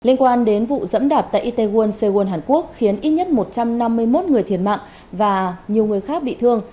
liên quan đến vụ dẫm đạp tại itaewon seowon hàn quốc khiến ít nhất một trăm năm mươi một người thiệt mạng và nhiều người khác bị thương